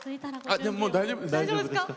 あでももう大丈夫です。